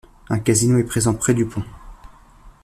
Un casino est présent près du pont.